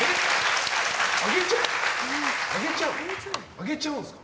あげちゃうんですか？